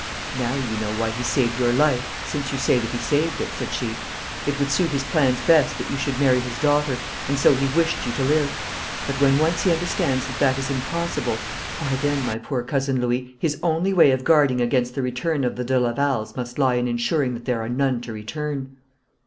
'Now you know why he saved your life since you say that he saved it,' said she. 'It would suit his plans best that you should marry his daughter, and so he wished you to live. But when once he understands that that is impossible, why then, my poor Cousin Louis, his only way of guarding against the return of the de Lavals must lie in ensuring that there are none to return.'